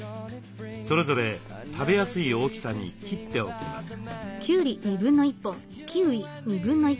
それぞれ食べやすい大きさに切っておきます。